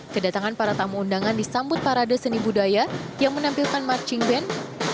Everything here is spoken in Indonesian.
kedatangan para tamu undangan disambut parade seni budaya yang menampilkan marching band